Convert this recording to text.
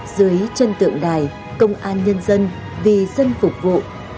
dưới chân tượng đài công an nhân dân vì dân phục vụ